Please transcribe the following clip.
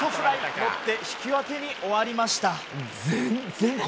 ロッテ、引き分けに終わりました。